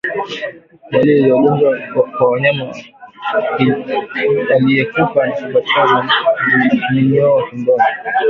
Dalili za ugonjwa kwa mnyama aliyekufa ni kupatikana kwa minyoo tumboni